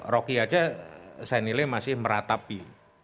rocky aja saya nilai masih meratapi